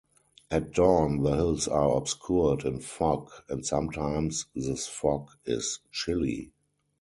At dawn the hills are obscured in fog and sometimes this fog is chilly.